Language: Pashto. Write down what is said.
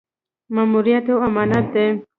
ماموریت یو امانت دی